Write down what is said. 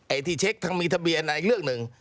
ไอ้ที่เช็คทางมีทะเบียนอีกเรื่องหนึ่ง